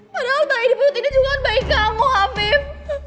padahal bayi di perut ini juga bayi kamu afif